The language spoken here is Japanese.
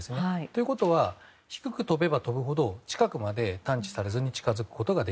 ということは低く飛べば飛ぶほど、近くまで探知されずに近づける。